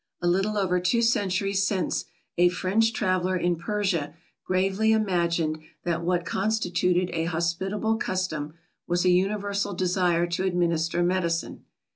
A little over two centuries since, a French traveller in Persia gravely imagined that what constituted a hospitable custom, was a universal desire to administer medicine.